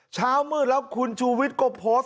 เช้ามืดแล้วคุณชูวิทย์ก็โพสต์